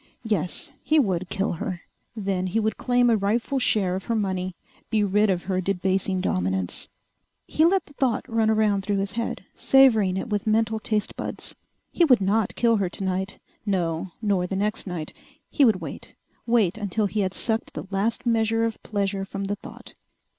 Yes, he would kill her. Then he would claim a rightful share of her money, be rid of her debasing dominance. He let the thought run around through his head, savoring it with mental taste buds. He would not kill her tonight. No, nor the next night. He would wait, wait until he had sucked the last measure of pleasure from the thought.